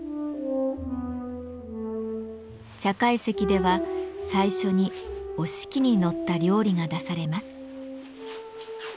茶懐石では最初に折敷に載った料理が出されます。